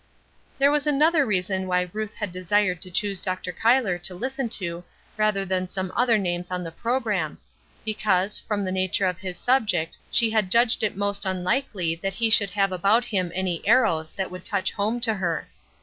There was another reason why Ruth had desired to choose Dr. Cuyler to listen to rather than some other names on the programme, because, from the nature of his subject she had judged it most unlikely that he should have about him any arrows that would touch home to her.